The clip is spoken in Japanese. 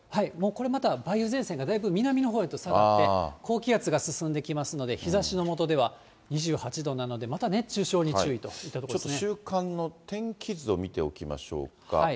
これまた、梅雨前線、だいぶ南のほうへと下がって、高気圧が進んできますので、日ざしの下では２８度なんで、また熱中症に注意といったところで週間の天気図を見ておきましょうか。